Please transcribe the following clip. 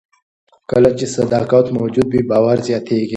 کله چې صداقت موجود وي، باور زیاتېږي.